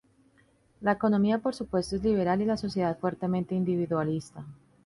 La economía por supuesto es liberal y la sociedad fuertemente individualista.